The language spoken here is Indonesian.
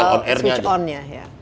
kalau switch on nya ya